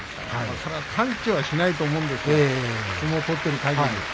それは完治はしないと思うんですよ、相撲を取っているかぎり。